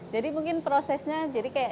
jadi mungkin prosesnya jadi kayak